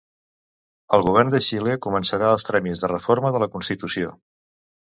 El govern de Xile començarà els tràmits de reforma de la constitució.